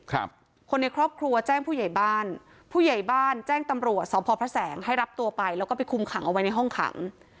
คนในครอบครัวแจ้งผู้ใหญ่บ้านผู้ใหญ่บ้านแจ้งตำรวจสพพระแสงให้รับตัวไปแล้วก็ไปคุมขังเอาไว้ในห้องขัง